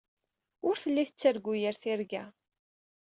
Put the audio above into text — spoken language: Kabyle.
Ur telli tettargu yir tirga.